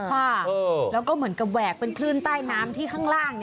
ค่ะแล้วก็เหมือนกับแหวกเป็นคลื่นใต้น้ำที่ข้างล่าง